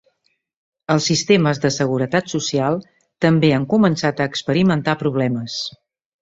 Els sistemes de seguretat social també han començat a experimentar problemes.